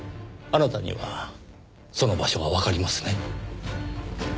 あなたにはその場所がわかりますね？